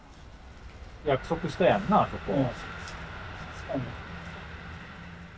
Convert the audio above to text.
約束したやんなそこ。